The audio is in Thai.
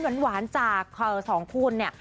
ส่งต่อโมเมนต์หวานจากสองคู่นี้